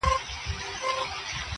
پوهنتون د میني ولوله که غواړې,